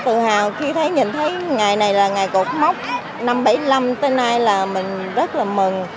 tự hào khi thấy nhìn thấy ngày này là ngày cột mốc năm trăm bảy mươi năm tới nay là mình rất là mừng